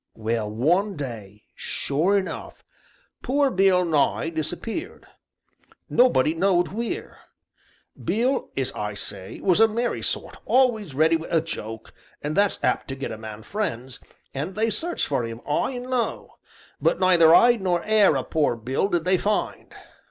Well, one day, sure enough, poor Bill Nye disappeared nobody knowed wheer. Bill, as I say, was a merry sort, always ready wi' a joke, and that's apt to get a man friends, and they searched for 'im 'igh and low, but neither 'ide nor 'air o' poor Bill did they find.